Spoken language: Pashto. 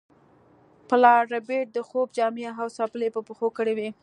پلار ربیټ د خوب جامې او څپلۍ په پښو کړې وې